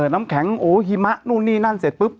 น้ำแข็งโอหิมะนู่นนี่นั่นเสร็จปุ๊บ